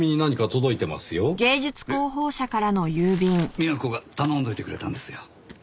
美和子が頼んでおいてくれたんですよ。